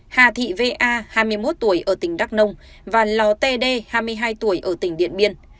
hà thị v a hai mươi một tuổi ở tỉnh đắk nông và lò td hai mươi hai tuổi ở tỉnh điện biên